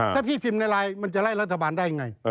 ถ้าพี่พิมพ์ในไลน์มันจะไล่รัฐบาลได้ยังไง